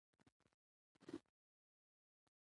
موږ هڅه کوو د ژمنو پوره کولو لپاره.